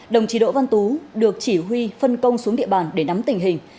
đồng chí đỗ văn tú được chỉ huy phân công xuống địa bàn để nắm tình hình